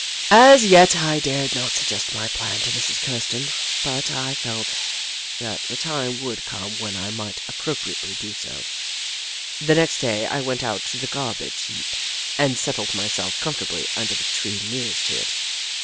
As yet, I dared not suggest my plan to Mrs. Kirsten, but I felt sure that the time would come when I might appropriately do so. The next day I went out to the garbage heap, and settled myself comfortably under the tree nearest to it.